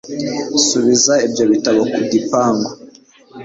Subiza ibyo bitabo ku gipangu.